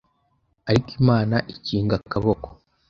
ariko Imana ikinga akaboko